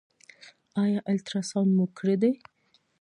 ایا الټراساونډ مو کړی دی؟